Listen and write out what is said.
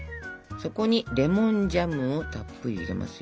そこにレモンジャムをたっぷり入れますよ。